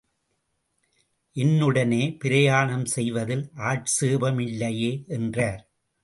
என்னுடனே பிரயாணம் செய்வதில் ஆட்சேபமில்லையே? என்றார்.